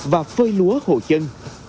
và phơi lúa hộ chân